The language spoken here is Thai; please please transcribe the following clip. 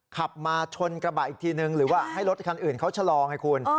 ขับมาชนกระบะอีกทีนึงหรือว่าให้รถคันอื่นเขาชะลอไงคุณ